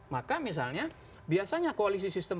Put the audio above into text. maka misalnya biasanya koalisi sistem